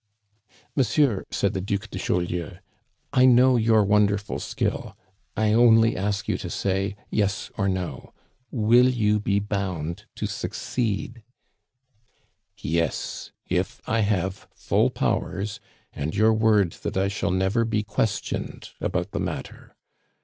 "Monsieur," said the Duc de Chaulieu, "I know your wonderful skill. I only ask you to say Yes or No. Will you be bound to succeed?" "Yes, if I have full powers, and your word that I shall never be questioned about the matter.